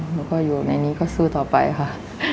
หนูก็อยู่ในนี้ก็สู้ต่อไปค่ะ